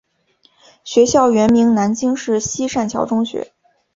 学校原名南京市西善桥中学。